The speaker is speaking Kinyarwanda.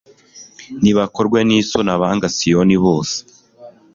nibakorwe n'isoni abanga siyoni bose